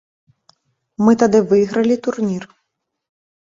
Мы тады выйгралі турнір.